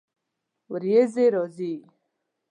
ورېځې راځي